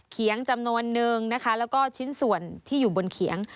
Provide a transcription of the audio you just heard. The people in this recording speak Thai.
เขียงจำนวนนึงแล้วก็ชิ้นส่วนที่อยู่บนเขียง